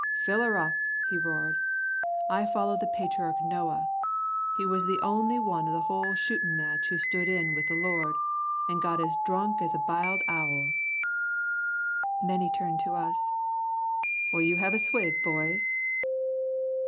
"Fill her up," he roared, "I follow the patriarch Noah. He was the only one of the whole shootin' match who stood in with the Lord, an' he got as drunk as a b'iled owl." Then he turned to us. "Will you have a swig, boys?"